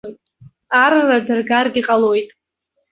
Арра дыргаргьы ҟалоит.